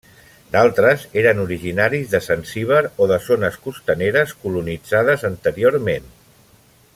D'altres eren originaris de Zanzíbar o de zones costaneres colonitzades anteriorment.